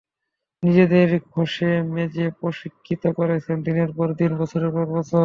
নিজেদের ঘষে মেজে প্রশিক্ষিত করেছেন দিনের পর দিন, বছরের পর বছর।